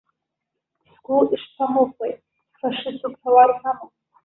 Сгәы ишԥамыхәеи, сфашиступ ҳәа уарҳәама!